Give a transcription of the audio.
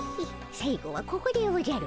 最後はここでおじゃる。